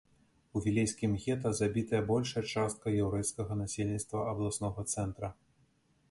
У вілейскім гета забітая большая частка яўрэйскага насельніцтва абласнога цэнтра.